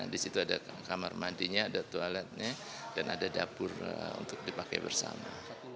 di situ ada kamar mandinya ada dua alatnya dan ada dapur untuk dipakai bersama